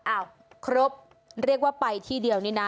อ่ะครบเรียกว่าไปที่เดียวนี่นะ